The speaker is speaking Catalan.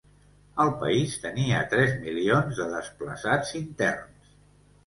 El país tenia tres milions de desplaçats interns.